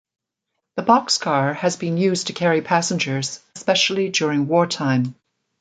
The boxcar has been used to carry passengers, especially during wartime.